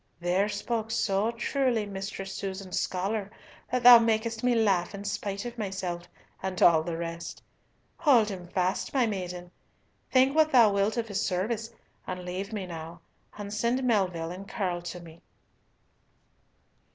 "There spoke so truly Mistress Susan's scholar that thou makest me laugh in spite of myself and all the rest. Hold him fast, my maiden; think what thou wilt of his service, and leave me now, and send Melville and Curll to me."